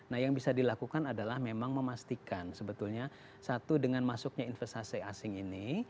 nah yang bisa dilakukan adalah memang memastikan sebetulnya satu dengan masuknya investasi asing ini